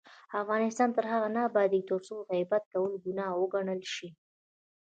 افغانستان تر هغو نه ابادیږي، ترڅو غیبت کول ګناه وګڼل شي.